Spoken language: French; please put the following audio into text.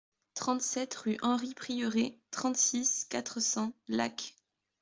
trente-sept rue Henri Prieuré, trente-six, quatre cents, Lacs